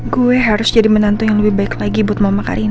gue harus jadi menantu yang lebih baik lagi buat mama karin